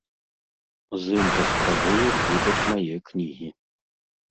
З ім паспрабуем выдаць мае кнігі.